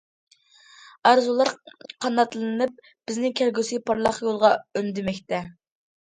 ئارزۇلار قاناتلىنىپ بىزنى كەلگۈسى پارلاق يولغا ئۈندىمەكتە.